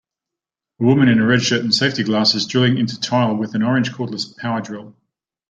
A woman in a red shirt and safety glasses drilling into tile with an orange cordless power drill